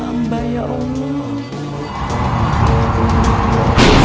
ya berlipat lipat lah